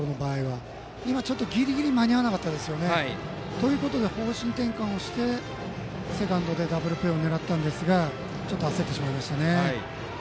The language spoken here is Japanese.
それで、今のはギリギリ間に合わなかったということで方針転換をしてセカンドでダブルプレーを狙ったんですがちょっと焦りましたね。